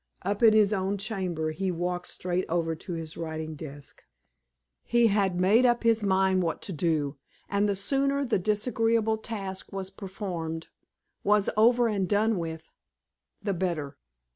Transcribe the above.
Up in his own chamber, he walked straight over to his writing desk. He had made up his mind what to do, and the sooner the disagreeable task was performed was over and done with the better.